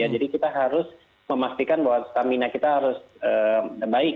jadi kita harus memastikan bahwa stamina kita harus baik